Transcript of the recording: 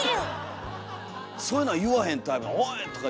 そういうのは言わへんタイプ？